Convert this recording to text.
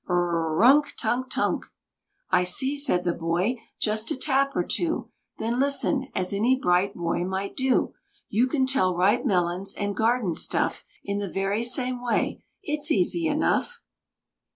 rrrr runk tunk tunk. "I see," said the boy, "just a tap or two, Then listen, as any bright boy might do. You can tell ripe melons and garden stuff In the very same way it's easy enough."